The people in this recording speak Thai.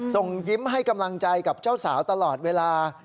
ส่งยิ้มให้กำลังใจกับเจ้าสาวตลอดเวลา